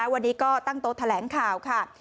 วันนี้ก็ตั้งโต๊ะแถลงข่าวค่ะ